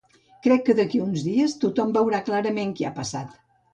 Crec que d’aquí a uns dies tothom veurà clarament què ha passat.